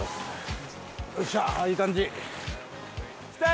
よっしゃ、いい感じ。